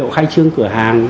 họ khai trương cửa hàng